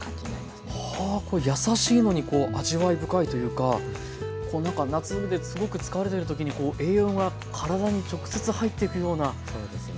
これやさしいのにこう味わい深いというかなんか夏ですごく疲れてる時に栄養が体に直接入っていくようなそうですね。